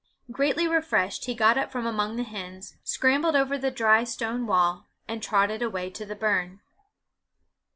Greatly refreshed, he got up from among the hens, scrambled over the dry stone wall, and trotted away to the burn.